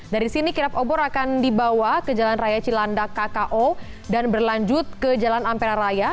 dari sini kirap obor akan dibawa ke jalan raya cilandak kko dan berlanjut ke jalan ampera raya